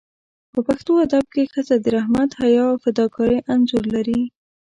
په پښتو ادب کې ښځه د رحمت، حیا او فداکارۍ انځور لري.